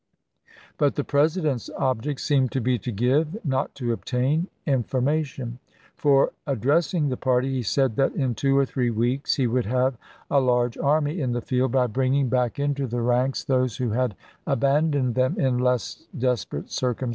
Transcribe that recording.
But the Presi dent's object seemed to be to give, not to obtain, information ; for, addressing the party, he said that in two or three weeks he would have a large army in the field by bringing back into the ranks those THE CAPTUKE OF JEFFERSON DAVIS 259 who had abandoned them in less desperate eircum ch.